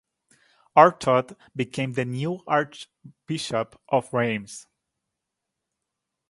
Artaud became the new archbishop of Reims.